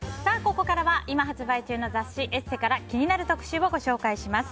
ここからは今発売中の雑誌「ＥＳＳＥ」から気になる特集をご紹介します。